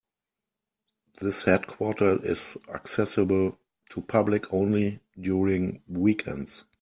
This headquarter is accessible to public only during weekends.